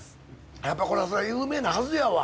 やっぱこれはそりゃ有名なはずやわ。